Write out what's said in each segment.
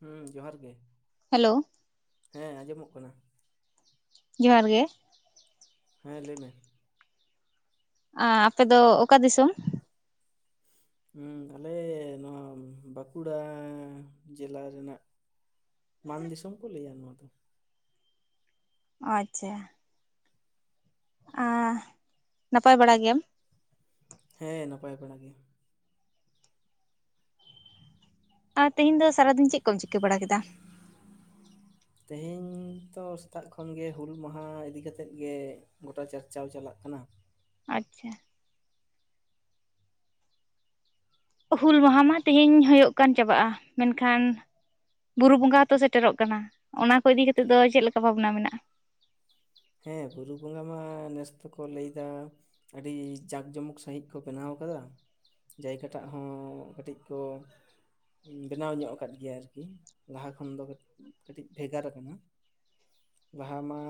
ᱦᱩ ᱡᱚᱦᱟᱨ ᱜᱮ ᱦᱮᱞᱚ ᱦᱮ ᱟᱸᱡᱚᱢᱚᱜ ᱠᱟᱱᱟ ᱡᱚᱦᱟᱨ ᱜᱮ᱾ ᱦᱮ ᱞᱟᱹᱭ ᱢᱮ ᱟ ᱟᱯᱮ ᱫᱚ ᱚᱠᱟ ᱫᱤᱥᱚᱢ ᱦᱩ ᱟᱞᱮ ᱱᱚᱣᱟ ᱵᱟᱸᱠᱩᱲᱟ ᱡᱮᱞᱟ ᱨᱮᱱᱟᱜ ᱢᱟᱱ ᱫᱤᱥᱚᱢ ᱠᱚ ᱞᱟᱹᱭᱟ ᱱᱚᱣᱟ ᱫᱚ ᱳ ᱟᱪᱪᱷᱟ ᱟ ᱱᱟᱯᱟᱭ ᱵᱟᱲᱟ ᱜᱮᱭᱟᱢ ᱦᱮ ᱱᱟᱯᱟᱭ ᱵᱟᱲᱟ ᱜᱮ ᱟ ᱛᱮᱦᱮᱧ ᱫᱚ ᱥᱟᱨᱟ ᱫᱤᱱ ᱪᱮᱫ ᱠᱚᱢ ᱪᱤᱠᱟᱹ ᱵᱟᱲᱟ ᱠᱮᱫᱟ ᱛᱮᱦᱮᱧ ᱛᱚ ᱥᱮᱛᱟᱜ ᱠᱷᱚᱱᱜᱮ ᱦᱩᱞ ᱢᱟᱦᱟ ᱤᱫᱤ ᱠᱟᱛᱮᱫ ᱜᱮ᱾ ᱜᱚᱴᱟ ᱪᱟᱨᱪᱟᱶ ᱪᱟᱞᱟᱜ ᱠᱟᱱᱟ ᱟᱪᱪᱷᱟ᱾ ᱚ ᱦᱩᱞ ᱢᱟᱦᱟ ᱢᱟ ᱛᱮᱦᱮᱧ ᱦᱳᱭᱳᱜ ᱠᱟᱱ ᱪᱟᱵᱟᱜᱼᱟ ᱢᱮᱱᱠᱷᱟᱱ ᱵᱩᱨᱩ ᱵᱚᱸᱜᱟ ᱦᱚᱛᱚ ᱥᱮᱴᱮᱨᱚᱜ ᱠᱟᱱᱟ ᱚᱱᱟ ᱠᱚ ᱤᱫᱤ ᱠᱟᱛᱮᱫ ᱫᱚ ᱪᱮᱫ ᱞᱮᱠᱟ ᱵᱷᱟᱵᱱᱟ ᱢᱮᱱᱟᱜᱼᱟ᱾ ᱦᱮ ᱵᱩᱨᱩ ᱵᱚᱸᱜᱟ ᱢᱟ ᱱᱮᱥ ᱫᱚᱠᱚ ᱞᱟᱹᱭ ᱫᱟ ᱟᱹᱰᱤ ᱡᱟᱠ ᱡᱚᱢᱚᱠ ᱥᱺᱦᱤᱡ ᱠᱚ ᱵᱮᱱᱟᱣ ᱟᱠᱟᱫᱟ᱾ ᱡᱟᱭᱜᱟ ᱴᱟᱜ ᱦᱚᱸ ᱠᱟᱹᱴᱤᱡ ᱠᱚ ᱵᱮᱱᱟᱣ ᱧᱚᱸᱜ ᱟᱠᱟᱫ ᱜᱮᱭᱟ ᱟᱨᱠᱤ ᱞᱟᱦᱟ ᱠᱷᱚᱱ ᱫᱚ ᱠᱟᱹᱴᱤᱡ ᱵᱷᱮᱜᱟᱨ ᱟᱠᱟᱱᱟ᱾ ᱵᱟᱦᱟ ᱢᱟ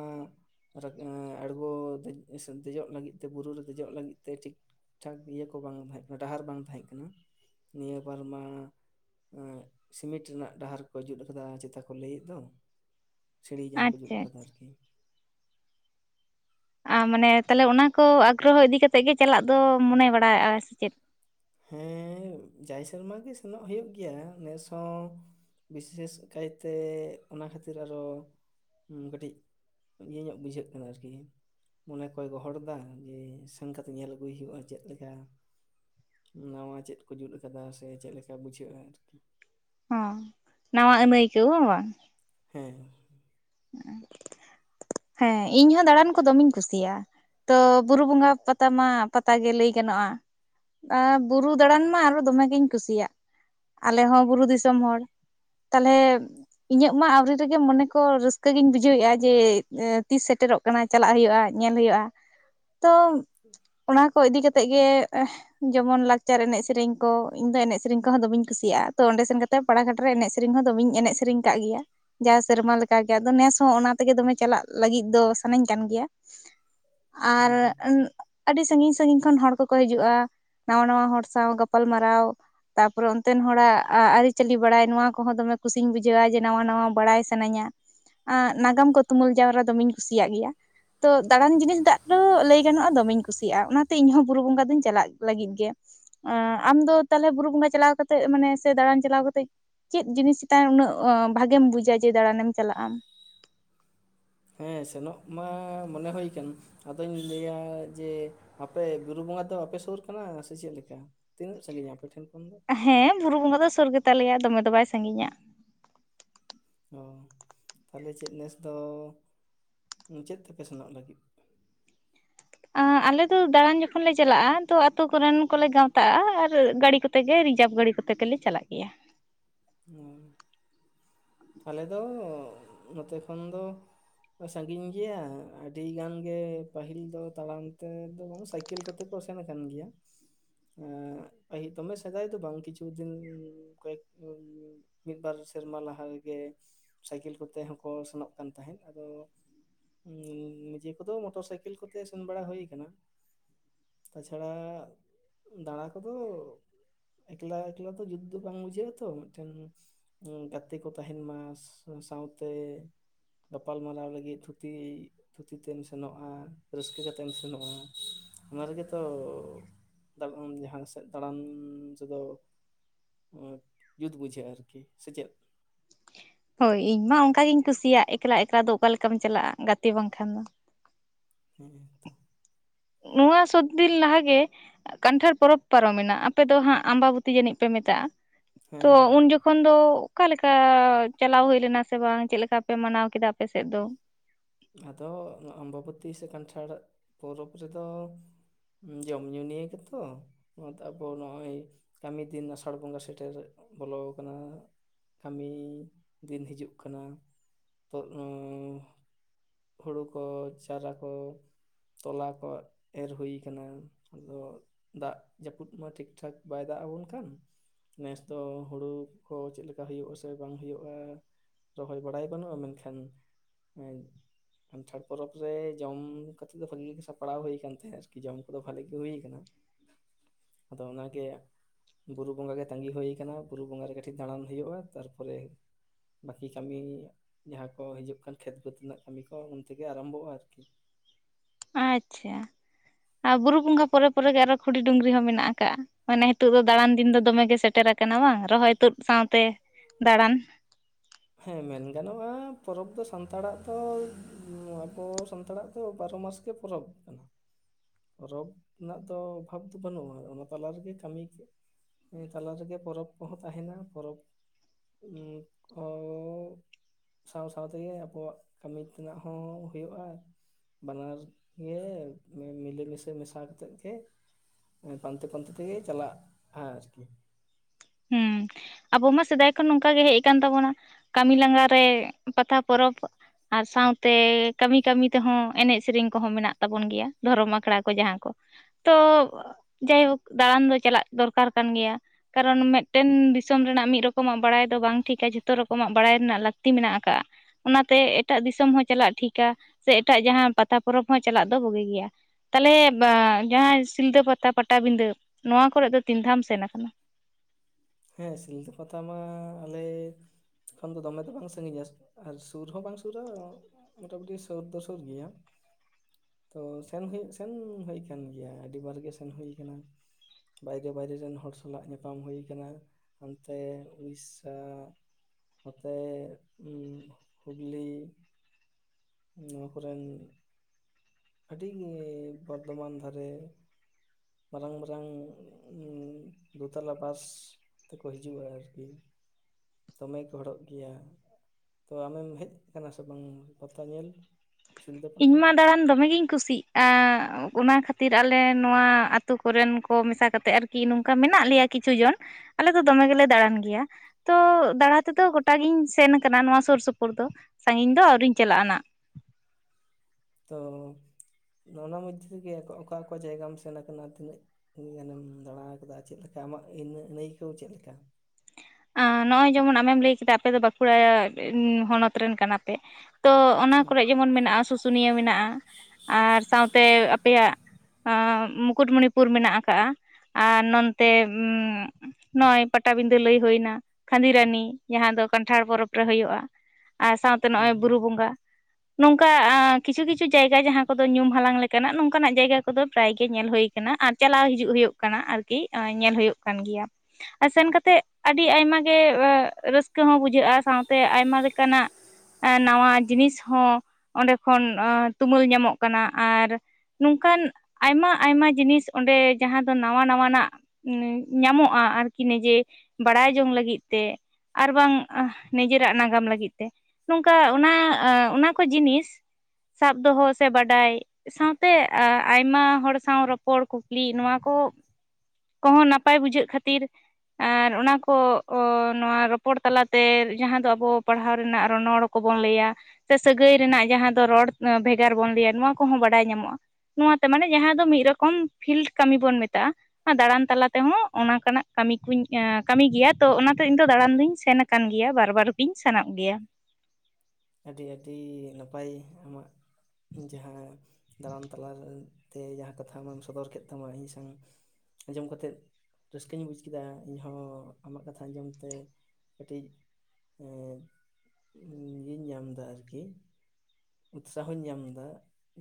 ᱟᱬᱜᱚ ᱫᱮᱡ ᱥ ᱞᱟᱹᱜᱤᱫ ᱛᱮ ᱵᱩᱨ ᱨᱮ ᱫᱮᱡᱚᱜ ᱞᱟᱹᱜᱤᱫ ᱛᱮ ᱴᱷᱤᱠ ᱪᱷᱟᱠ ᱤᱭᱟᱹ ᱠᱚ ᱵᱟᱝ ᱛᱟᱦᱮᱸ ᱠᱟᱱᱟ ᱰᱟᱦᱟᱨ ᱵᱟᱝ ᱛᱟᱦᱮᱸ ᱠᱟᱱᱟ ᱱᱤᱭᱟᱹ ᱵᱟᱨ ᱢᱟ ᱟ ᱥᱤᱢᱤᱴ ᱨᱮᱱᱟᱜ ᱰᱟᱦᱟᱨ ᱠᱚ ᱡᱩᱛ ᱟᱠᱟᱫᱟ ᱪᱮᱛᱟ ᱠᱚ ᱞᱟᱹᱭᱮᱫ ᱫᱚ ᱥᱤᱲᱤ ᱡᱟᱦᱟᱸ ᱠᱚ ᱡᱩᱛ ᱟᱪᱪᱷᱟ ᱟᱠᱟᱫᱟ ᱟᱨᱠᱤ᱾ ᱟ ᱢᱟᱱᱮ ᱛᱟᱞᱮ ᱚᱱᱟ ᱠᱚ ᱟᱜᱽᱨᱚᱦᱚᱸ ᱤᱫᱤ ᱠᱟᱛᱮᱫ ᱜᱮ ᱪᱟᱞᱟᱜ ᱫᱚ ᱢᱚᱱᱮ ᱵᱟᱲᱟᱭᱼᱟ ᱥᱮ ᱪᱮᱫ ᱦᱮ ᱡᱟᱭ ᱥᱮᱨᱢᱟ ᱜᱮ ᱥᱮᱱᱚᱜ ᱦᱩᱭᱩᱜ ᱜᱮᱭᱟ ᱱᱮᱥ ᱦᱚᱸ ᱵᱤᱥᱮᱥ ᱠᱟᱭᱛᱮ ᱚᱱᱟ ᱠᱷᱟᱹᱛᱤᱨ ᱟᱨᱚ ᱠᱟᱹᱴᱤᱡ᱾ ᱤᱭᱟᱹ ᱧᱚᱜ ᱵᱩᱡᱷᱟᱹᱜ ᱠᱟᱱᱟ ᱟᱨᱠᱤ᱾ ᱚᱱᱮ ᱠᱚᱭ ᱜᱚᱦᱚᱲ ᱫᱟ ᱡᱮ ᱥᱮᱱ ᱠᱟᱛᱮ ᱧᱮᱞ ᱟᱹᱜᱩᱭ ᱦᱩᱭᱩᱜᱼᱟ ᱪᱮᱫ ᱞᱮᱠᱟ ᱱᱟᱣᱟ ᱪᱮᱫ ᱠᱚ ᱡᱩᱛ ᱟᱠᱟᱫᱟ ᱥᱮ ᱪᱮᱫᱽ ᱞᱮᱠᱟ ᱵᱩᱡᱷᱟᱹᱜᱼᱟ ᱟᱨᱠᱤ᱾ ᱦᱚᱸ ᱱᱟᱣᱟ ᱮᱢ ᱟ. ᱭᱠᱟ. ᱣᱟ ᱦᱮ ᱦᱮ ᱤᱧ ᱦᱚᱸ ᱫᱟᱬᱟᱱ ᱠᱚ ᱫᱚᱢᱮᱧ ᱠᱩᱥᱤᱭᱟᱜᱼᱟ ᱛᱚ ᱵᱩᱨᱩ ᱵᱚᱸᱜᱟ ᱯᱟᱛᱟ ᱢᱟ ᱯᱟᱛᱟ ᱜᱮ ᱞᱟᱹᱭ ᱜᱟᱱᱚᱜᱼᱟ᱾ ᱟ ᱵᱩᱨᱩ ᱫᱟᱬᱟᱱ ᱢᱟ ᱟᱨᱚ ᱫᱚᱢᱮᱜᱤᱧ ᱠᱩᱥᱤᱭᱟᱜ ᱟᱞᱮ ᱦᱚᱸ ᱵᱩᱨᱩ ᱫᱤᱥᱚᱢ ᱦᱚᱲ ᱛᱟᱞᱮ ᱤᱧᱟᱹᱜ ᱢᱟ ᱟᱹᱣᱨᱤ ᱨᱮᱜᱮ ᱢᱚᱱᱮ ᱠᱚ ᱨᱟᱹᱥᱠᱟᱹ ᱨᱟᱹᱥᱠᱟᱹᱜᱤᱧ ᱵᱩᱡᱷᱟᱹᱣᱮᱫᱼᱟ ᱡᱮ ᱛᱤᱥ ᱥᱮᱴᱮᱨᱚᱜ ᱠᱟᱱᱟ ᱪᱟᱞᱟᱜ ᱦᱩᱭᱩᱜᱼᱟ ᱧᱮᱞ ᱦᱩᱭᱩᱜᱼᱟ ᱛᱚ᱾ ᱼᱼ ᱚᱱᱟ ᱠᱚ ᱤᱫᱤᱠᱟ ᱠᱟᱛᱮᱜ ᱜᱮ ᱮ ᱡᱮᱢᱚᱱ ᱞᱟᱠᱟᱨ ᱮᱱᱮᱡ ᱥᱮᱨᱮᱧ ᱠᱚ ᱤᱧ ᱫᱚ ᱮᱱᱮᱡ ᱥᱮᱨᱮᱧ ᱠᱚᱦᱚᱸ ᱫᱚᱢᱮᱧ ᱠᱩᱥᱤᱭᱟᱜ ᱛᱚ ᱚᱸᱰᱮ ᱥᱮᱱ ᱠᱟᱛᱮ᱾ ᱥᱮ ᱯᱟᱲᱟᱜᱷᱟᱴ ᱨᱮ ᱮᱱᱮᱡ ᱥᱮᱨᱮᱧ ᱦᱚᱸ ᱫᱚᱢᱮᱧ ᱮᱱᱮᱡ ᱥᱮᱨᱮᱧ ᱠᱟᱜ ᱜᱮᱭᱟ ᱡᱟ ᱥᱮᱨᱢᱟ ᱞᱮᱠᱟᱜ ᱟᱫᱚ ᱱᱮᱥ ᱦᱚᱸ ᱚᱱᱟ ᱛᱮᱜᱮ, ᱫᱚᱢᱮ ᱪᱟᱞᱟᱜ ᱞᱟᱹᱜᱤᱫ ᱫᱚ ᱥᱟᱱᱟᱧ ᱠᱟᱱ ᱜᱮᱭᱟ᱾ ᱟᱨ, ᱦᱩᱸ ᱦᱩᱸ ᱟᱸ ᱟᱹᱰᱤ ᱥᱟᱺᱟᱹᱜᱤᱧ ᱥᱟᱜᱤᱧ ᱠᱷᱚᱱ ᱦᱚᱲ ᱠᱚᱠᱚ ᱦᱤᱡᱩᱜᱼᱟ, ᱱᱟᱣᱟ ᱱᱟᱣᱟ ᱦᱚᱲ ᱥᱟᱶ ᱜᱟᱯᱟᱞᱢᱟᱨᱟᱣ᱾ ᱛᱟᱯᱚᱨᱮ ᱚᱱᱛᱮᱱ ᱦᱚᱲᱟᱜ ᱟᱹᱨᱤᱪᱟᱹᱞᱤ ᱵᱟᱲᱟᱭ, ᱱᱚᱣᱟ ᱠᱚᱦᱚᱸ ᱫᱚᱢᱮ ᱠᱩᱥᱤᱧ ᱵᱩᱡᱷᱟᱹᱣᱟ, ᱡᱮ ᱱᱟᱣᱟ ᱱᱟᱣᱟ ᱵᱟᱲᱟᱭ ᱥᱟᱱᱟᱧᱟ᱾ ᱱᱟᱜᱟᱢ ᱠᱚ ᱛᱩᱢᱟᱹᱞ ᱡᱟᱣᱨᱟ, ᱫᱚᱢᱮᱧ ᱠᱩᱥᱤᱭᱟᱜ ᱜᱮᱭᱟ᱾ ᱛᱚ ᱫᱟᱬᱟᱱ ᱡᱤᱱᱤᱥ ᱫᱟᱜ ᱫᱚ ᱞᱟᱹᱭ ᱜᱟᱱᱚᱜᱼᱟ, ᱫᱚᱢᱮᱧ ᱠᱩᱥᱤᱭᱟᱜᱼᱟ ᱚᱱᱟᱛᱮ ᱤᱧᱦᱚᱸ ᱵᱩᱨᱩ ᱵᱚᱸᱜᱟ ᱫᱚᱩᱧ ᱪᱟᱞᱟᱜ ᱞᱟᱹᱜᱤᱫ ᱜᱮ᱾ ᱟᱢᱫᱚ ᱛᱟᱦᱚᱞᱮ ᱵᱩᱨᱩ ᱵᱚᱸᱜᱟ ᱪᱟᱞᱟᱣ ᱠᱟᱛᱮᱜ, ᱢᱟᱱᱮ ᱥᱮ ᱫᱟᱬᱟᱱ ᱪᱟᱞᱟᱣ ᱠᱟᱛᱮᱜ? ᱪᱮᱫ ᱡᱤᱱᱤᱥ ᱪᱮᱛᱟᱱ ᱨᱮ, ᱩᱱᱟᱹᱜ ᱵᱷᱟᱜᱮᱢ ᱵᱩᱡᱟ ᱡᱮ, ᱫᱟᱬᱟᱱᱮᱢ ᱪᱟᱞᱟᱜ ᱟᱢ? ᱦᱮᱸ ᱥᱮᱱᱚᱜ ᱢᱟ, ᱢᱚᱱᱮ ᱦᱳᱭ ᱠᱟᱱ᱾ ᱟᱫᱚᱧ ᱞᱟᱹᱭᱟ ᱡᱮ, ᱟᱯᱮ ᱵᱩᱨᱩ ᱵᱚᱸᱜᱟ ᱫᱚ, ᱟᱯᱮ ᱥᱳᱨ ᱠᱟᱱᱟ ᱥᱮ ᱪᱮᱫᱞᱮᱠᱟ? ᱛᱤᱱᱟᱹᱜ ᱥᱟᱺᱜᱤᱧᱟ, ᱟᱯᱮᱴᱷᱮᱱ ᱠᱷᱚᱱ ᱫᱚ? ᱦᱮᱸ ᱵᱩᱨᱩ ᱵᱚᱸᱜᱟ ᱫᱚ ᱥᱳᱨ ᱜᱮᱛᱟ ᱞᱮᱭᱟ, ᱫᱚᱢᱮ ᱫᱚ ᱵᱟᱭ ᱥᱟᱺᱜᱤᱧᱟ᱾ ᱚ ᱛᱟᱦᱚᱞᱮ ᱪᱮᱫ ᱱᱮᱥ ᱫᱚ, ᱪᱮᱫ ᱛᱮᱯᱮ ᱥᱮᱱᱚᱜ ᱞᱟᱹᱜᱤᱫ? ᱟᱸ ᱟᱞᱮ ᱫᱚ ᱫᱟᱬᱟᱱ ᱡᱚᱠᱷᱚᱱ ᱞᱮ ᱪᱟᱞᱟᱜᱼᱟ, ᱛᱚ ᱟᱛᱳ ᱠᱚᱨᱮᱱ ᱠᱚᱞᱮ ᱜᱟᱶᱛᱼᱟ, ᱟᱨ ᱜᱟᱹᱰᱤ ᱠᱚᱛᱮ ᱛᱮᱜᱮ ᱨᱤᱡᱟᱵᱷ ᱜᱟᱹᱲᱤ ᱠᱚᱛᱮ ᱜᱮᱞᱮ ᱪᱟᱞᱟᱜ ᱜᱮᱭᱟ᱾ ᱩᱢ, ᱟᱞᱮ ᱫᱚ ᱱᱚᱛᱮ ᱠᱷᱚᱱ ᱫᱚ ᱥᱟᱺᱜᱤᱧ ᱜᱮᱭᱟ᱾ ᱟᱹᱰᱤ ᱜᱟᱱ ᱜᱮ ᱯᱟᱹᱦᱤᱞ ᱫᱚ ᱛᱟᱲᱟᱢ ᱛᱮᱫᱚ, ᱵᱟᱝ ᱥᱟᱭᱠᱮᱞ ᱠᱚᱛᱮ ᱛᱮᱠᱚ ᱥᱮᱱ ᱟᱠᱟᱱ ᱜᱮᱭᱟ᱾ ᱮᱜ, ᱮᱭ ᱫᱚᱢᱮ ᱥᱮᱫᱟᱭ ᱛᱚ ᱵᱟᱝ ᱠᱤᱪᱷᱩ ᱫᱤᱱ ᱠᱚᱭᱠ ᱳᱤ, ᱢᱤᱫ ᱵᱟᱨ ᱥᱮᱨᱢᱟ ᱞᱟᱦᱟ ᱨᱮᱜᱮ ᱥᱟᱭᱠᱮᱞ ᱠᱚᱛᱮ ᱦᱚᱸᱠᱚ, ᱥᱮᱱᱚᱜ ᱠᱟᱱ ᱛᱟᱦᱮᱸᱫ ᱟᱫᱚ ᱩᱢ, ᱱᱤᱡᱮ ᱠᱚᱫᱚ ᱢᱚᱴᱚᱨ ᱥᱟᱭᱠᱮᱞ ᱠᱚᱛᱮ, ᱥᱮᱱ ᱵᱟᱲᱟ ᱦᱳᱭ ᱠᱟᱱᱟ᱾ ᱛᱟᱪᱷᱟᱲᱟ ᱫᱟᱬᱟ ᱠᱚᱫᱚ ᱮᱠᱞᱟ ᱮᱠᱞᱟ ᱫᱚ ᱡᱩᱫᱽ ᱫᱚ ᱵᱟᱝ ᱵᱩᱡᱟᱹᱜ ᱟᱛᱚ᱾ ᱛᱚ ᱢᱤᱫᱴᱮᱱ ᱜᱟᱛᱮ ᱠᱚ, ᱛᱟᱦᱮᱸᱱ ᱢᱟ ᱥᱟᱶᱛᱮ᱾ ᱜᱟᱯᱟᱞᱢ ᱢᱟᱨᱟᱣ ᱞᱟᱹᱜᱤᱫ, ᱛᱷᱩᱛᱤ ᱛᱷᱩᱛᱤ ᱛᱮᱢ ᱥᱮᱱᱚᱜᱼᱟ, ᱨᱟᱹᱥᱠᱟᱹ ᱠᱟᱛᱮᱢ ᱥᱮᱱᱚᱜᱼᱟ, ᱚᱱᱟ ᱨᱮᱜᱮ ᱛᱚ, [unintelligible] ᱡᱟᱦᱟᱸ ᱥᱮᱫ ᱫᱟᱬᱟᱱ ᱛᱮᱫᱚ ᱡᱩᱛ ᱵᱩᱡᱷᱟᱹᱜᱼᱟ, ᱟᱨᱠᱤ ᱥᱮ ᱪᱮᱫ? ᱦᱳᱭ ᱤᱧ ᱢᱟ ᱚᱱᱠᱟ ᱜᱤᱧ ᱠᱩᱥᱤᱭᱟᱜ, ᱮᱠᱞᱟ ᱮᱠᱞᱟ ᱫᱚ, ᱚᱠᱟ ᱞᱮᱠᱟᱢ ᱪᱟᱞᱟᱜᱼᱟ, ᱜᱟᱛᱮ ᱵᱟᱝᱠᱷᱟᱱ ᱫᱚ᱾ ᱦᱮᱸ, ᱛᱚ᱾ ᱱᱚᱣᱟ ᱥᱚᱛᱫᱤᱱ ᱞᱟᱦᱟᱜᱮ ᱠᱟᱱᱴᱷᱟᱲ ᱯᱚᱨᱚᱵᱽ ᱯᱟᱨᱚᱢᱮᱱᱟ, ᱟᱯᱮ ᱫᱚ ᱦᱟᱸᱜ ᱟᱢᱵᱟᱵᱚᱛᱤ ᱡᱟᱹᱱᱤᱡ ᱯᱮ ᱢᱮᱛᱟᱜᱼᱟ, ᱦᱮᱸ ᱛᱚ ᱦᱮᱸ ᱩᱱ ᱡᱚᱠᱷᱚᱱ ᱛᱚᱠᱷᱚᱱ ᱫᱚ, ᱚᱠᱟ ᱞᱮᱠᱟ ᱪᱟᱞᱟᱣ ᱦᱳᱭ ᱞᱮᱱᱟ ᱥᱮ ᱵᱟᱝ, ᱪᱮᱫ ᱞᱮᱠᱟ ᱯᱮ ᱢᱟᱱᱟᱣ ᱠᱮᱫᱟ ᱟᱯᱮᱥᱮᱫ ᱫᱚ? ᱟᱫᱚ ᱟᱢᱵᱟᱵᱛᱤᱤ ᱥᱮ ᱠᱟᱱᱴᱷᱟᱲ ᱯᱚᱨᱚᱵᱽ ᱨᱮᱫᱚ ᱡᱚᱢ ᱧᱩ ᱱᱤᱭᱮ ᱜᱮᱛᱚ, ᱱᱚᱣᱟ ᱛᱮ ᱟᱵᱚ ᱱᱚᱜᱼᱚᱭ ᱠᱟᱹᱢᱤ ᱫᱤᱱ, ᱟᱥᱟᱲ ᱵᱚᱸᱜᱟ ᱥᱮᱴᱮᱨ ᱵᱚᱞᱚ ᱠᱟᱱᱟ᱾ ᱠᱟᱹᱢᱤ ᱫᱤᱱ ᱦᱤᱡᱩᱜ ᱠᱟᱱᱟ, ᱛᱚ ᱟᱸ ᱦᱳᱲᱳ ᱠᱚ ᱪᱟᱨᱟ ᱠᱚ, ᱛᱚᱞᱟ ᱠᱚ ᱮᱨ ᱦᱳᱭ ᱠᱟᱱᱟ, ᱟᱫᱚ ᱫᱟᱜ ᱡᱟᱯᱩᱫ ᱢᱟ, ᱴᱷᱤᱠᱴᱷᱟᱠ ᱵᱟᱭ ᱫᱟᱜ ᱟᱵᱚᱱ ᱠᱷᱟᱱ ᱱᱮᱥ ᱫᱚ ᱦᱳᱲᱳ ᱠᱚ, ᱪᱮᱫ ᱞᱮᱠᱟ ᱦᱳᱭᱳᱜ ᱟᱥᱮ, ᱵᱟᱝ ᱦᱳᱭᱳᱜᱼᱟ᱾ ᱨᱚᱦᱚᱭ ᱵᱟᱲᱟᱭ ᱵᱟᱱᱩᱜᱼᱟ, ᱢᱮᱱᱠᱷᱟᱱ ᱮᱜ ᱠᱟᱱᱪᱷᱟᱲ ᱯᱚᱨᱚᱵ ᱨᱮ ᱡᱚᱢ ᱠᱟᱛᱮᱫ ᱫᱚ, ᱵᱷᱟᱜᱤ ᱜᱮ ᱥᱟᱯᱲᱟᱣ ᱦᱳᱭ ᱠᱟᱱ ᱛᱟᱦᱮᱸᱫ ᱟᱨᱠᱤ, ᱡᱚᱢ ᱠᱚᱫᱚ ᱵᱷᱟᱞᱤ ᱜᱮ ᱦᱳᱭ ᱠᱟᱱᱟ᱾ ᱦᱮ [inaudible] ᱟᱫᱚ ᱚᱱᱟᱱᱟᱜᱮ ᱵᱩᱨᱩ ᱵᱚᱸᱜᱟ ᱜᱮ ᱛᱟᱸᱜᱤ ᱦᱩᱭ ᱠᱟᱱᱟ, ᱵᱩᱨᱩ ᱵᱚᱸᱜᱟ ᱨᱮᱜᱮ ᱴᱷᱤᱠ ᱫᱟᱬᱟᱱ ᱦᱩᱭᱩᱜ-ᱟ ᱛᱟᱨᱯᱚᱨᱮ ᱵᱟᱹᱠᱤ ᱠᱟᱹᱢᱤ ᱡᱟᱦᱟᱸ ᱠᱚ ᱦᱤᱡᱩᱜ ᱠᱟᱱ ᱠᱷᱮᱛ ᱵᱟᱹᱫᱽ ᱨᱮᱱᱟᱜ ᱠᱟᱹᱢᱤ ᱠᱚ ᱩᱱᱛᱮᱜᱮ ᱟᱨᱟᱢᱵᱷᱚᱜ-ᱟ ᱟᱨᱠᱤ᱾ ᱟᱪᱪᱷᱟ, ᱟᱨ ᱵᱩᱨᱩ ᱵᱚᱸᱜᱟ ᱯᱚᱨᱚᱵᱽ ᱯᱚᱨᱮ ᱜᱮ ᱟᱨᱦᱚᱸ ᱠᱷᱩᱲᱤ ᱰᱩᱝᱨᱤ ᱦᱚᱸ ᱢᱮᱱᱟᱜ ᱟᱠᱟᱜ-ᱟ᱾ ᱢᱟᱱᱮ ᱱᱤᱛᱚᱜ ᱫᱚ ᱫᱟᱬᱟᱱ ᱫᱤᱱ ᱫᱚ ᱫᱚᱢᱮ ᱜᱮ ᱥᱮᱴᱮᱨ ᱟᱠᱟᱱᱟ ᱵᱟᱝ ᱨᱚᱦᱚᱭ ᱛᱩᱫ ᱥᱟᱶᱛᱮ᱾ ᱫᱟᱬᱟᱱ ᱦᱮᱸ ᱢᱮᱱ ᱜᱟᱱᱚᱜ-ᱟ ᱯᱚᱨᱚᱵᱽ ᱫᱚ ᱥᱟᱱᱛᱟᱲᱟᱜ ᱫᱚ ᱟᱵᱚ ᱥᱟᱱᱛᱟᱲᱟᱜ ᱛᱚ ᱵᱟᱨᱚ ᱢᱟᱥ ᱜᱮ ᱯᱚᱨᱚᱵᱽ ᱠᱟᱱᱟ᱾ [inaudible] ᱯᱚᱨᱚᱵᱽ ᱨᱮᱱᱟᱜ ᱫᱚ ᱚᱵᱷᱟᱵᱽ ᱫᱚ ᱵᱟᱹᱱᱩᱜ-ᱟ ᱚᱱᱟ ᱛᱟᱞᱟ ᱨᱮᱜᱮ ᱠᱟᱹᱢᱤ ᱠᱚ᱾ ᱚᱱᱟ ᱛᱟᱞᱟ ᱨᱮᱜᱮ ᱯᱚᱨᱚᱵᱽ ᱠᱚᱦᱚᱸ ᱛᱟᱦᱮᱱᱟ ᱯᱚᱨᱚᱵᱽ ᱩᱸ᱾ ᱚᱻ ᱥᱟᱶ ᱥᱟᱶ ᱛᱮᱜᱮ ᱟᱵᱚᱣᱟᱜ ᱠᱟᱹᱢᱤ ᱛᱮᱱᱟᱜ ᱦᱚᱸ ᱦᱩᱭᱩᱜᱼᱟ᱾ ᱵᱟᱱᱟᱨ ᱜᱮ ᱢᱤᱞᱮ ᱢᱤᱥᱮ ᱢᱮᱥᱟ ᱠᱟᱛᱮᱫ ᱜᱮ ᱢᱟᱱᱮ ᱯᱟᱱᱛᱮ ᱯᱟᱱᱛᱮ ᱛᱮᱜᱮ ᱪᱟᱞᱟᱜ-ᱟᱭ ᱟᱨᱠᱤ᱾ ᱦᱩᱸ᱾ ᱟᱵᱚ ᱢᱟ ᱥᱮᱫᱟᱭ ᱠᱷᱚᱱ ᱱᱚᱝᱠᱟ ᱜᱮ ᱦᱮᱡ ᱟᱠᱟᱱ ᱛᱟᱵᱚᱱᱟ ᱠᱟᱹᱢᱤ ᱞᱟᱸᱜᱟᱨᱮ ᱯᱟᱛᱟ ᱯᱚᱨᱚᱵᱽ᱾ ᱟᱨ ᱥᱟᱶᱛᱮ ᱠᱟᱹᱢᱤ ᱠᱟᱹᱢᱤ ᱛᱮᱦᱚᱸ ᱮᱱᱮᱡ ᱥᱮᱨᱮᱧ ᱠᱚᱦᱚᱸ ᱢᱮᱱᱟᱜ ᱛᱟᱵᱚᱱ ᱜᱮᱭᱟ ᱫᱷᱚᱨᱚᱢ ᱟᱠᱷᱲᱟ ᱠᱚ ᱡᱟᱦᱟᱸ ᱠᱚ᱾ ᱛᱚ ᱡᱟᱭᱦᱳᱠ ᱫᱟᱬᱟᱱ ᱫᱚ ᱪᱟᱞᱟᱜ ᱫᱚᱨᱠᱟᱨ ᱠᱟᱱ ᱜᱮᱭᱟ᱾ ᱠᱟᱨᱚᱱ ᱢᱮᱫᱴᱮᱱ ᱫᱤᱥᱚᱢ ᱨᱮᱱᱟᱜ ᱢᱤᱫ ᱨᱚᱠᱚᱢᱟᱜ ᱵᱟᱲᱟᱭ ᱫᱚ ᱵᱟᱝ ᱴᱷᱤᱠᱟ ᱡᱷᱚᱛᱚ ᱨᱚᱠᱚᱢᱟᱜ ᱵᱟᱲᱟᱭ ᱨᱮᱱᱟᱜ ᱞᱟᱹᱠᱛᱤ ᱢᱮᱱᱟᱜ ᱟᱠᱟᱜ-ᱟ᱾ ᱚᱱᱟᱛᱮ ᱮᱴᱟᱜ ᱫᱤᱥᱚᱢ ᱦᱚᱸ ᱪᱟᱞᱟᱜ ᱴᱷᱤᱠᱟ ᱥᱮ ᱮᱴᱟᱜ ᱡᱟᱦᱟᱸ ᱯᱟᱛᱟ ᱯᱚᱨᱚᱵᱽ ᱦᱚᱸ ᱪᱟᱞᱟᱜ ᱫᱚ ᱵᱩᱜᱤ ᱜᱮᱭᱟ᱾ ᱛᱟᱞᱦᱮ ᱵᱟ ᱡᱟᱦᱟᱸᱭ ᱥᱤᱞᱫᱟᱹ ᱯᱟᱛᱟ ᱯᱟᱴᱟ ᱵᱤᱸᱫᱷᱟᱹ ᱱᱚᱣᱟ ᱠᱚᱨᱮᱫ ᱫᱚ ᱛᱤᱱ ᱫᱷᱟᱣᱮᱢ ᱥᱮᱱ ᱟᱠᱟᱱᱟ? ᱦᱮᱸ ᱥᱤᱞᱫᱟᱹ ᱯᱟᱛᱟ ᱢᱟ ᱟᱞᱮ ᱮᱠᱷᱚᱱ ᱫᱚ ᱫᱚᱢᱮ ᱫᱚ ᱵᱟᱝ ᱥᱟᱺᱜᱤᱧᱟ ᱟᱨ ᱥᱩᱨ ᱦᱚᱸ ᱵᱟᱝ ᱥᱩᱨᱟ᱾ ᱢᱚᱴᱟᱢᱩᱴᱤ ᱥᱩᱨ ᱫᱚ ᱥᱩᱨ ᱜᱮᱭᱟ᱾ ᱛᱚ ᱥᱮᱱ ᱦᱩᱭᱩᱜ ᱥᱮᱱ ᱦᱩᱭ ᱠᱟᱱ ᱜᱮᱭᱟ ᱟᱹᱰᱤ ᱵᱟᱨ ᱜᱮ ᱥᱮᱱ ᱦᱩᱭ ᱠᱟᱱᱟ᱾ ᱵᱟᱭᱨᱮ ᱵᱟᱭᱨᱮ ᱨᱮᱱ ᱦᱚᱲ ᱥᱟᱞᱟᱜ ᱧᱟᱯᱟᱢ ᱦᱩᱭ ᱠᱟᱱᱟ᱾ ᱦᱟᱱᱛᱮ ᱩᱲᱤᱥᱥᱟ, ᱱᱚᱛᱮ ᱩᱸ ᱦᱩᱜᱽᱞᱤ, ᱱᱚᱣᱟ ᱠᱚᱨᱮᱱ ᱟᱹᱰᱤᱜᱮ ᱵᱚᱨᱫᱷᱚᱢᱟᱱ ᱫᱷᱟᱨᱮ ᱢᱟᱨᱟᱝ ᱢᱟᱨᱟᱝ ᱩᱸ ᱫᱩᱛᱟᱞᱟ ᱵᱟᱥ ᱛᱮᱠᱚ ᱦᱤᱡᱩᱜ-ᱟ ᱟᱨᱠᱤ᱾ ᱫᱚᱢᱮ ᱠᱚ ᱦᱚᱲᱚᱜ ᱜᱮᱭᱟ᱾ ᱛᱚ, ᱟᱢᱮᱢ ᱦᱮᱡ ᱠᱟᱱᱟ ᱥᱮ ᱵᱟᱝ? ᱯᱟᱛᱟ ᱧᱮᱞ? ᱥᱤᱞᱫᱟᱹ ᱤᱧ ᱯᱟᱛᱟ ᱢᱟ ᱫᱟᱬᱟᱱ ᱫᱚᱢᱮᱜᱤᱧ ᱠᱩᱥᱤᱜ-ᱟ᱾ ᱚᱱᱟ ᱠᱷᱟᱹᱛᱤᱨ ᱟᱞᱮ ᱱᱚᱣᱟ ᱟᱛᱩ ᱠᱚᱨᱮᱱ ᱠᱚ ᱢᱮᱥᱟ ᱠᱟᱛᱮᱫ ᱟᱨᱠᱤ ᱱᱚᱝᱠᱟ ᱢᱮᱱᱟᱜ ᱞᱮᱭᱟ ᱠᱤᱪᱷᱩ ᱡᱚᱱ᱾ ᱟᱞᱮ ᱫᱚ ᱫᱚᱢᱮ ᱜᱮᱞᱮ ᱫᱟᱬᱟᱱ ᱜᱮᱭᱟ᱾ ᱛᱚ, ᱫᱟᱬᱟ ᱛᱮᱫᱚ ᱜᱚᱴᱟᱜᱤᱧ ᱥᱮᱱ ᱠᱟᱱᱟ ᱱᱚᱣᱟ ᱥᱩᱨ ᱥᱩᱯᱩᱨ ᱫᱚ ᱥᱟᱺᱜᱤᱧ ᱫᱚ ᱟᱹᱣᱨᱤᱧ ᱪᱟᱞᱟᱜᱼᱟ ᱱᱟᱜ᱾ ᱛᱚ, ᱱᱚᱜ-ᱚᱱᱟ ᱢᱚᱫᱽᱫᱷᱮ ᱨᱮᱜᱮ ᱚᱠᱟ ᱚᱠᱟ ᱡᱟᱭᱜᱟᱢ ᱥᱮᱱ ᱟᱠᱟᱱᱟ ᱛᱤᱱᱟᱹᱜ? ᱛᱤᱱᱟᱹᱜ ᱜᱟᱱᱮᱢ ᱫᱟᱬᱟ ᱟᱠᱟᱫᱟ ᱪᱮᱫ ᱞᱮᱠᱟ, ᱟᱢᱟᱜ ᱤᱱᱟᱹ ᱟᱹᱱᱟᱹᱭᱠᱟᱹᱣ ᱪᱮᱫ ᱞᱮᱠᱟ? ᱟᱸ, ᱱᱚᱜ-ᱚᱭ ᱡᱮᱢᱚᱱ ᱟᱢᱮᱢ ᱞᱟᱹᱭ ᱠᱮᱫᱟ ᱟᱯᱮ ᱫᱚ ᱵᱟᱸᱠᱩᱲᱟ ᱦᱚᱱᱚᱛ ᱨᱮᱱ ᱠᱟᱱᱟ ᱯᱮ᱾ ᱛᱚ, ᱚᱱᱟ ᱦᱮᱸ ᱠᱚᱨᱮ ᱡᱮᱢᱚᱱ ᱢᱮᱱᱟᱜ-ᱟ ᱥᱩᱥᱩᱱᱤᱭᱟᱹ ᱢᱮᱱᱟᱜ-ᱟ ᱟᱨ ᱥᱟᱶᱛᱮ ᱟᱯᱮᱭᱟᱜ ᱟᱸ, ᱢᱩᱠᱩᱴᱢᱩᱱᱤᱯᱩᱨ ᱢᱮᱱᱟᱜ ᱟᱠᱟᱜ-ᱟ ᱟᱨ ᱱᱚᱱᱛᱮ ᱱᱚᱜ-ᱚᱭ ᱯᱟᱴᱟᱵᱤᱸᱫᱟᱹ ᱞᱟᱹᱭ ᱦᱩᱭᱱᱟ ᱠᱷᱟᱸᱫᱟᱨᱟᱱᱤ ᱡᱟᱦᱟᱸ ᱫᱚ ᱠᱟᱱᱴᱷᱟᱲ ᱯᱚᱨᱚᱵᱽ ᱨᱮ ᱦᱩᱭᱩᱜ-ᱟ ᱟᱨ ᱥᱟᱶ ᱛᱮ ᱦᱩᱸ ᱱᱚᱜ-ᱚᱭ ᱦᱩᱸ ᱵᱩᱨᱩ ᱵᱚᱸᱜᱟ᱾ ᱱᱚᱝᱠᱟ ᱠᱤᱪᱷᱩ ᱠᱤᱪᱷᱩ ᱡᱟᱭᱜᱟ ᱡᱟᱦᱟᱸ ᱠᱚᱫᱚ ᱧᱩᱢ ᱦᱟᱞᱟᱝ ᱞᱮᱠᱟᱱᱟᱜ ᱱᱚᱝᱠᱟᱱᱟᱜ ᱡᱟᱭᱜᱟ ᱠᱚᱫᱚ ᱯᱨᱟᱭ ᱜᱮ ᱧᱮᱞ ᱦᱳᱭ ᱠᱟᱱᱟ ᱟᱨ ᱪᱟᱞᱟᱣ ᱦᱤᱡᱩᱜ ᱦᱩᱭᱩᱜ ᱠᱟᱱᱟ ᱟᱨᱠᱤ ᱧᱮᱞ ᱦᱚᱭᱳᱜ ᱠᱟᱱ ᱜᱮᱭᱟ, ᱟᱨ ᱥᱮᱱ ᱠᱟᱛᱮᱜ ᱟᱹᱰᱤ ᱟᱭᱢᱟ ᱜᱮ ᱨᱟᱹᱥᱠᱟᱹ ᱦᱚᱸ ᱵᱩᱡᱷᱟᱹᱜᱼᱟ ᱥᱟᱶᱛᱮ ᱟᱭᱢᱟ ᱞᱮᱠᱟᱱᱟᱜ ᱮᱸ ᱱᱟᱣᱟ ᱡᱤᱱᱤᱥ ᱦᱚᱸ ᱚᱸᱰᱮ ᱠᱷᱚᱱ ᱛᱩᱢᱟᱹᱞ ᱧᱟᱢᱚᱜ ᱠᱟᱱᱟ ᱟᱨ ᱱᱚᱝᱠᱟᱱ ᱟᱭᱢᱟ ᱟᱭᱢᱟ ᱡᱤᱱᱤᱥ ᱚᱸᱰᱮ ᱡᱟᱦᱟᱸ ᱫᱚ ᱱᱟᱶᱟ ᱱᱟᱣᱟᱱᱟᱜ ᱧᱟᱢᱚᱜᱼᱟ ᱟᱨᱠᱤ ᱱᱤᱡᱮ ᱵᱟᱲᱟᱭ ᱡᱚᱝ ᱞᱟᱹᱜᱤᱫ ᱛᱮ᱾ ᱟᱨ ᱵᱟᱝ ᱱᱤᱡᱮᱨᱟᱜ ᱱᱟᱜᱟᱢ ᱞᱟᱹᱜᱤᱫ ᱛᱮ ᱱᱚᱝᱠᱟ ᱚᱱᱟ ᱚᱱᱟᱠᱚ ᱡᱤᱱᱤᱥ ᱥᱟᱵ ᱫᱚᱦᱚ ᱥᱮ ᱵᱟᱰᱟᱭ ᱥᱟᱶᱛᱮ ᱟᱭᱢᱟ ᱦᱚᱲ ᱥᱟᱶ ᱨᱚᱯᱚᱲ ᱠᱩᱠᱞᱤ ᱱᱚᱣᱟ ᱠᱚ ᱠᱚᱦᱚᱸ ᱱᱟᱯᱟᱭ ᱵᱩᱡᱷᱟᱹᱜ ᱠᱷᱟᱹᱛᱤᱨ ᱟᱨ ᱚᱱᱟ ᱠᱚ ᱱᱚᱣᱟ ᱨᱚᱯᱚᱲ ᱛᱟᱞᱟᱛᱮ ᱡᱟᱦᱟᱸ ᱫᱚ ᱟᱵᱚ ᱯᱟᱲᱦᱟᱣ ᱨᱮᱱᱟᱜ ᱨᱚᱱᱚᱲ ᱠᱚᱵᱚᱱ ᱞᱟᱹᱭᱟ, ᱥᱮ ᱥᱟᱹᱜᱟᱹᱭ ᱨᱮᱱᱟᱜ ᱡᱟᱦᱟᱸ ᱫᱚ ᱨᱚᱲ ᱵᱷᱮᱜᱟᱨ ᱵᱚᱱ ᱞᱟᱹᱭᱟ ᱱᱚᱣᱟ ᱠᱚᱦᱚᱸ ᱵᱟᱰᱟᱭ ᱧᱟᱢᱚᱜᱼᱟ᱾ ᱱᱚᱣᱟᱛᱮ ᱢᱟᱱᱮ ᱡᱟᱦᱟᱸ ᱫᱚ ᱢᱤᱫ ᱨᱚᱠᱚᱢ ᱯᱷᱤᱞᱴ ᱠᱟᱹᱢᱤ ᱵᱚᱱ ᱢᱮᱛᱟᱜᱼᱟ᱾ ᱟᱸ ᱫᱟᱬᱟᱱ ᱛᱟᱞᱟ ᱛᱮᱦᱚᱸ ᱚᱱᱠᱟᱱᱟᱜ ᱠᱟᱹᱢᱤ ᱠᱩᱧ ᱠᱟᱹᱢᱤ ᱜᱮᱭᱟ ᱛᱚ ᱚᱱᱟᱛᱮ ᱤᱧ ᱫᱚ ᱫᱟᱬᱟᱱ ᱫᱚᱧ ᱥᱮᱱ ᱟᱠᱟᱱ ᱜᱮᱭᱟ ᱵᱟᱨ ᱵᱟᱨᱜᱮᱧ ᱥᱮᱱᱚᱜ ᱜᱮᱭᱟ᱾ ᱟᱹᱰᱤ ᱟᱹᱰᱤ ᱱᱟᱯᱟᱭ ᱟᱢᱟᱜ ᱡᱟᱦᱟᱸ ᱫᱟᱬᱟᱱ ᱛᱟᱞᱟ ᱛᱮ ᱡᱟᱦᱟᱸ ᱠᱟᱛᱷᱟ ᱟᱢ ᱮᱢ ᱥᱚᱫᱚᱨ ᱠᱮᱫ ᱛᱟᱢᱟ ᱤᱧ ᱥᱟᱝ ᱟᱸᱡᱚᱢ ᱠᱟᱛᱮᱜ ᱨᱟᱹᱥᱠᱟᱹᱧ ᱵᱩᱡ ᱠᱮᱫᱟ ᱤᱧᱦᱚᱸ ᱟᱢᱟᱜ ᱠᱟᱛᱷᱟ ᱟᱸᱡᱚᱢ ᱛᱮ ᱠᱟᱹᱴᱤᱡ ᱮᱫ ᱩᱸ ᱤᱧ ᱧᱟᱢ ᱫᱟ ᱟᱨᱠᱤ ᱩᱛᱥᱟᱦᱚᱧ ᱧᱟᱢ ᱮᱫᱟ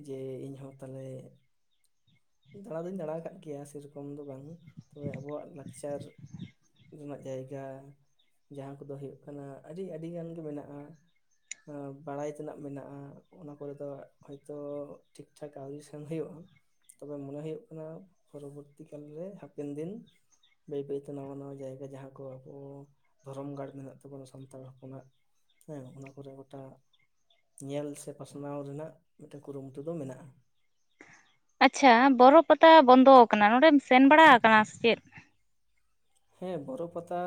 ᱡᱮ ᱤᱧ ᱦᱚᱸ ᱛᱟᱦᱚᱞᱮ ᱫᱟᱬᱟ ᱫᱩᱧ ᱫᱟᱬᱟ ᱠᱟᱫ ᱜᱮᱭᱟ ᱥᱮᱨᱚᱠᱚᱢ ᱫᱚ ᱵᱟᱝ ᱛᱚᱵᱮ ᱟᱵᱚᱣᱟᱜ ᱞᱟᱠᱪᱟᱨ ᱨᱮᱱᱟᱜ ᱡᱟᱭᱜᱟ ᱡᱟᱦᱟᱸ ᱠᱚᱫᱚ ᱦᱩᱭᱩᱜ ᱠᱟᱱᱟ ᱟᱹᱰᱤ ᱟᱹᱰᱤ ᱜᱟᱱ ᱜᱮ ᱢᱮᱱᱟᱜᱼᱟ, ᱵᱟᱲᱟᱭ ᱛᱮᱱᱟᱜ ᱢᱮᱱᱟᱜᱼᱟ ᱚᱱᱟ ᱠᱚᱨᱮ ᱫᱚ ᱦᱚᱭᱛᱚ ᱴᱷᱤᱠ ᱴᱷᱟᱠ ᱟᱹᱣᱨᱤ ᱥᱮᱱ ᱦᱩᱭᱩᱜᱼᱟ, ᱛᱚᱵᱮ ᱢᱚᱱᱮ ᱦᱩᱭᱩᱜ ᱠᱟᱱᱟ ᱯᱚᱨᱚᱵᱚᱨᱛᱤ ᱠᱟᱞᱨᱮ ᱦᱟᱯᱮᱱ ᱫᱤᱱ ᱵᱟᱹᱭ ᱵᱟᱹᱭᱛᱮ ᱱᱟᱣᱟ ᱱᱟᱣᱟ ᱡᱟᱭᱜᱟ ᱡᱟᱦᱟᱸ ᱠᱚ ᱟᱵᱚ ᱫᱷᱚᱨᱚᱢ ᱜᱟᱲ ᱢᱮᱱᱟᱜ ᱛᱟᱵᱚᱱᱟ ᱥᱟᱱᱛᱟᱲ ᱦᱚᱯᱚᱱᱟᱜ ᱦᱮᱸ ᱚᱱᱟ ᱠᱚᱨᱮ ᱜᱚᱴᱟ ᱧᱮᱞ ᱥᱮ ᱯᱟᱥᱱᱟᱣ ᱨᱮᱱᱟᱜ ᱢᱤᱫᱴᱮᱱ ᱠᱩᱨᱩᱢᱩᱴᱩ ᱫᱚ ᱢᱮᱱᱟᱜᱼᱟ᱾ ᱟᱪᱪᱷᱟ ᱵᱚᱨᱚ ᱯᱟᱛᱟ ᱵᱚᱱᱫᱚ ᱟᱠᱟᱱᱟ ᱱᱚᱸᱰᱮᱢ ᱥᱮᱱ ᱵᱟᱲᱟ ᱟᱠᱟᱱᱟ ᱥᱮ ᱪᱮᱫ? ᱦᱮᱸ ᱵᱚᱨᱚ ᱯᱟᱛᱟ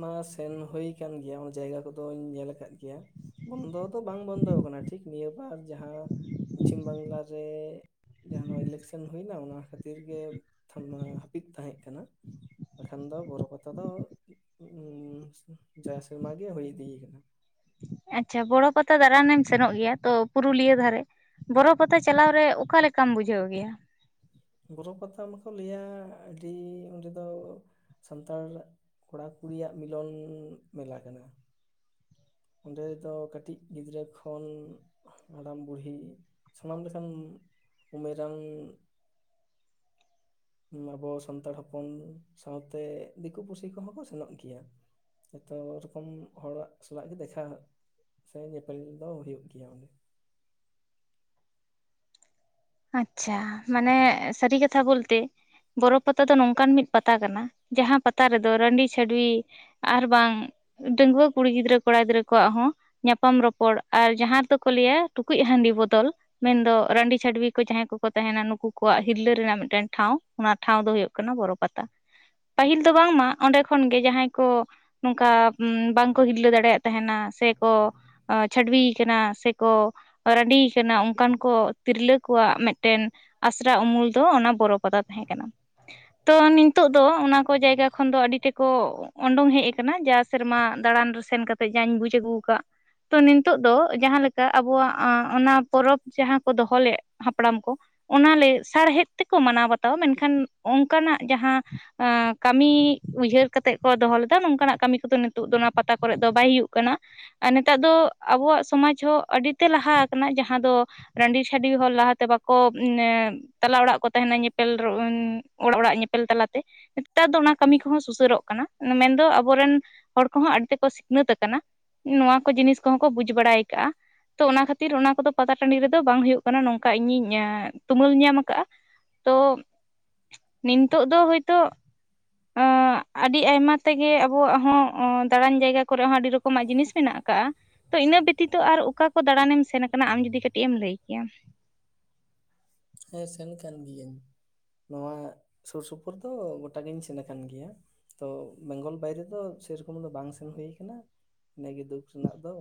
ᱱᱚᱣᱟ ᱥᱮᱱ ᱦᱩᱭ ᱠᱟᱱ ᱜᱮᱭᱟ ᱚᱱᱟ ᱡᱟᱭᱜᱟ ᱠᱚᱫᱚᱧ ᱧᱮᱞ ᱠᱟᱫ ᱜᱮᱭᱟ, ᱵᱚᱱᱫᱚ ᱫᱚ ᱵᱟᱝ ᱵᱚᱱᱫᱚ ᱟᱠᱟᱱᱟ ᱴᱷᱤᱠ ᱱᱤᱭᱟᱹᱵᱟᱨ ᱡᱟᱦᱟᱸ ᱯᱚᱪᱷᱤᱢ ᱵᱟᱝᱞᱟ ᱨᱮ ᱡᱟᱦᱟᱸ ᱱᱚᱣᱟ ᱤᱞᱮᱠᱥᱮᱱ ᱦᱩᱭᱱᱟ ᱚᱱᱟ ᱠᱷᱟᱹᱛᱤᱨ ᱜᱮ ᱦᱟᱹᱯᱤᱫ ᱛᱟᱦᱮᱸ ᱠᱟᱱᱟ᱾ ᱵᱟᱠᱷᱟᱱ ᱫᱚ ᱵᱚᱨᱚ ᱯᱟᱛᱟ ᱫᱚ ᱡᱟ ᱥᱮᱨᱢᱟ ᱜᱮ ᱦᱩᱭ ᱤᱫᱤᱭ ᱠᱟᱱᱟ᱾ ᱟᱪᱪᱷᱟ ᱵᱚᱲᱚ ᱯᱟᱛᱟ ᱫᱟᱬᱟᱱ ᱮᱢ ᱥᱮᱱᱚᱜ ᱜᱮᱭᱟ ᱛᱚ ᱯᱩᱨᱩᱞᱤᱭᱟᱹ ᱫᱷᱟᱨᱮ, ᱵᱚᱨᱚ ᱯᱟᱛᱟ ᱪᱟᱞᱟᱣ ᱨᱮ ᱚᱠᱟ ᱞᱮᱠᱟᱢ ᱵᱩᱡᱷᱟᱹᱣ ᱜᱮᱭᱟᱢ? ᱵᱚᱨᱚ ᱯᱟᱛᱟ ᱢᱟᱠᱚ ᱞᱟᱹᱭᱟ ᱟᱹᱰᱤ ᱚᱸᱰᱮ ᱫᱚ ᱥᱟᱱᱛᱟᱲ ᱠᱚᱲᱟ ᱠᱩᱲᱤᱭᱟᱜ ᱢᱤᱞᱚᱱ ᱢᱮᱞᱟ ᱠᱟᱱᱟ᱾ ᱚᱸᱰᱮ ᱫᱚ ᱠᱟᱹᱴᱤᱡ ᱜᱤᱫᱽᱨᱟᱹ ᱠᱷᱚᱱ ᱦᱟᱲᱟᱢ ᱵᱩᱲᱦᱤ ᱥᱟᱱᱟᱢ ᱞᱮᱠᱟᱱ ᱩᱢᱮᱨᱟᱱ ᱟᱵᱚ ᱥᱟᱱᱛᱟᱲ ᱦᱚᱯᱚᱱ ᱥᱟᱶᱛᱮ ᱫᱤᱠᱩ ᱯᱩᱥᱤ ᱠᱚᱦᱚᱸ ᱠᱚ ᱥᱮᱱᱚᱜ ᱜᱮᱭᱟ᱾ ᱡᱷᱚᱛᱚ ᱨᱚᱠᱚᱢ ᱦᱚᱲᱟᱜ ᱥᱟᱞᱟᱜ ᱜᱮ ᱫᱮᱠᱷᱟᱜ ᱥᱮ ᱧᱮᱯᱮᱞ ᱫᱚ ᱦᱩᱭᱩᱜ ᱜᱮᱭᱟ ᱚᱸᱰᱮ᱾ ᱟᱪᱪᱷᱟ ᱢᱟᱱᱮ ᱥᱟᱹᱨᱤ ᱠᱟᱛᱷᱟ ᱵᱳᱞᱛᱮ ᱵᱚᱨᱚ ᱯᱟᱛᱟ ᱫᱚ ᱱᱚᱝᱠᱟᱱ ᱢᱤᱫ ᱯᱟᱛᱟ ᱠᱟᱱᱟ ᱡᱟᱦᱟᱸ ᱯᱟᱛᱟ ᱨᱮᱫᱚ ᱨᱟᱺᱰᱤ ᱪᱷᱟᱹᱰᱣᱤ, ᱟᱨ ᱵᱟᱝ ᱰᱟᱺᱜᱩᱣᱟᱹ ᱠᱩᱲᱤ ᱜᱤᱫᱽᱨᱟᱹ ᱠᱚᱲᱟ ᱜᱤᱫᱽᱨᱟᱹ ᱠᱚᱣᱟᱜ ᱦᱚᱸᱼᱼ ᱧᱟᱯᱟᱢ ᱨᱚᱯᱚᱲ ᱟᱨ ᱡᱟᱦᱟᱸ ᱨᱮᱫᱚᱠᱚ ᱞᱟᱹᱭᱟ ᱴᱩᱠᱩᱡ ᱦᱟᱹᱰᱤ ᱵᱚᱫᱚᱞ ᱢᱮᱱᱫᱚ ᱨᱟᱹᱰᱤ ᱪᱷᱟᱹᱵᱤ ᱡᱟᱦᱟᱸᱭ ᱠᱚᱠᱚ ᱛᱟᱦᱮᱱᱟ ᱱᱩᱠᱩ ᱠᱚᱣᱟᱜ ᱦᱤᱨᱞᱟᱹ ᱨᱮᱱᱟᱜ ᱢᱤᱫᱴᱮᱱ ᱴᱷᱟᱶ ᱚᱱᱟ ᱴᱷᱟᱶ ᱫᱚ ᱦᱩᱭᱩᱜ ᱠᱟᱱᱟ ᱵᱚᱨᱚ ᱯᱟᱛᱟ᱾ ᱯᱟᱹᱦᱤᱞ ᱫᱚ ᱵᱟᱝᱢᱟ ᱚᱸᱰᱮ ᱠᱷᱚᱱ ᱜᱮ ᱡᱟᱦᱟᱸᱭ ᱠᱚᱼᱼ ᱱᱚᱝᱠᱟ ᱵᱟᱝᱠᱚ ᱦᱤᱨᱞᱟᱹ ᱫᱟᱲᱮᱭᱟᱜ ᱛᱟᱦᱮᱱᱟ ᱥᱮᱠᱚᱼᱼ ᱪᱷᱟᱹᱰᱤ ᱟᱠᱟᱱᱟ ᱥᱮᱠᱚ ᱨᱟᱺᱰᱤ ᱟᱠᱟᱱᱟ ᱚᱱᱠᱟᱱ ᱠᱚ ᱛᱤᱨᱞᱟᱹᱼᱼ ᱠᱚᱣᱟᱜ ᱢᱤᱫᱴᱮᱱ ᱟᱥᱨᱟ ᱩᱢᱩᱞ ᱫᱚ ᱚᱱᱟ ᱵᱚᱨᱚ ᱯᱟᱛᱟ ᱛᱟᱦᱮᱸ ᱠᱟᱱᱟ᱾ ᱛᱚ ᱱᱤᱛᱚᱜ ᱫᱚ ᱚᱱᱟ ᱠᱚ ᱡᱟᱭᱜᱟ ᱠᱷᱚᱱ ᱫᱚ ᱟᱹᱰᱤ ᱛᱮᱠᱚᱼᱼ ᱩᱰᱚᱝ ᱦᱮᱡ ᱟᱠᱟᱱᱟ ᱡᱟ ᱥᱮᱨᱢᱟ ᱫᱟᱬᱟᱱ ᱨᱮ ᱥᱮᱱ ᱠᱟᱛᱮᱜ ᱡᱟᱧ ᱵᱩᱡ ᱟᱹᱜᱩ ᱟᱠᱟᱫ ᱛᱚ ᱱᱤᱛᱚᱜ ᱫᱚ ᱡᱟᱦᱟᱸ ᱞᱮᱠᱟ ᱟᱵᱚᱣᱟᱜ ᱚᱱᱟ ᱯᱚᱨᱚᱵᱽ ᱡᱟᱦᱟᱸ ᱠᱚ ᱫᱚᱦᱚᱸ ᱞᱮᱫᱼᱼ ᱦᱟᱯᱲᱟᱢ ᱠᱚ ᱚᱱᱟ ᱥᱟᱨᱦᱮᱫ ᱛᱮᱠᱚ ᱢᱟᱱᱟᱣ ᱵᱟᱛᱟᱣᱼᱟ ᱢᱮᱱ ᱠᱷᱟᱱ ᱚᱱᱠᱟᱱᱟᱜ ᱡᱟᱦᱟᱸ ᱠᱟᱹᱢᱤ ᱩᱭᱦᱟᱹᱨ ᱠᱟᱛᱮᱜ ᱠᱚ ᱫᱚᱦᱚ ᱞᱮᱫᱟ ᱱᱚᱝᱠᱟ ᱱᱟᱜ ᱠᱟᱹᱢᱤ ᱠᱚᱫᱚ ᱱᱤᱛᱚᱜ ᱫᱚ ᱚᱱᱟ ᱯᱟᱛᱟ ᱠᱚᱨᱜ ᱫᱚ ᱵᱟᱭ ᱦᱩᱭᱩᱜ ᱠᱟᱱᱟᱼᱼ ᱟᱨ ᱱᱮᱛᱟᱨ ᱫᱚ ᱟᱵᱚᱣᱟᱜ ᱥᱚᱢᱟᱡ ᱦᱚᱸ ᱟᱹᱰᱤ ᱛᱮ ᱞᱟᱦᱟ ᱟᱠᱟᱱᱟ ᱡᱟᱦᱟᱸ ᱫᱚ ᱨᱟᱺᱰᱤ ᱪᱷᱟᱹᱰᱩᱭ ᱦᱚᱲ ᱞᱟᱦᱟ᱾ ᱵᱟᱠᱚ ᱛᱟᱞᱟ ᱚᱲᱟᱜ ᱠᱚ ᱛᱟᱦᱮᱱᱟ ᱧᱮᱯᱮᱞ ᱦᱚᱲ ᱚᱲᱟᱜ ᱧᱮᱯᱮᱞ ᱛᱟᱞᱟ ᱛᱮ᱾ ᱱᱮᱛᱟᱨ ᱫᱚ ᱚᱱᱟ ᱠᱟᱹᱢᱤ ᱠᱚᱦᱚᱸ ᱥᱩᱥᱟᱹᱨᱚᱜ ᱠᱟᱱᱟ ᱢᱮᱱᱫᱚ ᱟᱵᱚᱨᱮᱱ ᱦᱚᱲ ᱠᱚᱦᱚᱸ ᱟᱹᱰᱤ ᱛᱮᱠᱚ ᱥᱤᱠᱷᱱᱟᱹᱛ ᱟᱠᱟᱱᱼᱟ᱾ ᱱᱚᱶᱟ ᱠᱚ ᱡᱤᱱᱤᱥ ᱠᱚᱦᱚᱸ ᱠᱚ ᱵᱩᱡ ᱵᱟᱲᱟᱭ ᱟᱠᱟᱟᱜᱼᱟ ᱛᱚ ᱚᱱᱟ ᱠᱷᱟᱹᱛᱤᱨ ᱚᱱᱟ ᱠᱚᱫᱚ ᱯᱟᱛᱟ ᱴᱟᱹᱰᱤ ᱨᱮᱫᱚ ᱵᱟᱝ ᱦᱩᱭᱩᱜ ᱠᱟᱱᱟ ᱱᱚᱝᱼᱼ ᱤᱧᱤᱧ ᱛᱩᱢᱟᱹᱞ ᱧᱟᱢ ᱟᱠᱟᱫᱼᱟ ᱛᱚᱼᱼ ᱱᱤᱛᱳᱜ ᱫᱚ ᱦᱳᱭᱼᱛᱳ ᱮᱸ ᱟᱹᱰᱤ ᱟᱭᱢᱟ ᱛᱮᱜᱮ ᱟᱵᱚᱣᱟᱜ ᱦᱚᱸ ᱫᱟᱬᱟᱱ ᱡᱟᱭᱜᱟ ᱠᱚᱨᱮ ᱦᱚᱸ ᱟᱹᱰᱤ ᱨᱚᱠᱚᱢᱟᱜ ᱡᱤᱱᱤᱥ ᱢᱮᱱᱟᱜ ᱠᱟᱜᱼᱟ᱾ ᱛᱚ ᱤᱱᱟᱹ ᱵᱮᱛᱤᱛᱚ ᱟᱨ ᱚᱠᱟ ᱠᱚ ᱫᱟᱬᱟᱱᱮᱢ ᱥᱮᱱ ᱟᱠᱟᱱᱟ ᱟᱢ ᱡᱩᱫᱤ ᱠᱟᱹᱴᱤᱡ ᱮᱢ ᱞᱟᱹᱭ ᱠᱮᱭᱼᱟ᱾ ᱦᱮᱸ ᱥᱮᱱ ᱠᱟᱱ ᱜᱤᱭᱟᱹᱧ ᱱᱚᱣᱟ ᱥᱩᱨ ᱥᱩᱯᱩᱨ ᱫᱚ ᱜᱚᱴᱟ ᱜᱤᱧ ᱥᱮᱱ ᱟᱠᱟᱱ ᱜᱮᱭᱟ᱾ ᱛᱚ ᱵᱮᱝᱜᱚᱞ ᱵᱟᱭᱨᱮ ᱫᱚ ᱥᱮᱨᱚᱠᱚᱢ ᱫᱚ ᱵᱟᱝ ᱥᱮᱱ ᱦᱩᱭ ᱠᱟᱱᱟ ᱤᱱᱟᱹᱜᱮ ᱫᱩᱠ ᱨᱮᱱᱟᱜ ᱫᱚᱼᱼ